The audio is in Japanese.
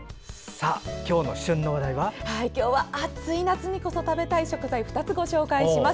今日は暑い夏にこそ食べたい食材を２つご紹介します。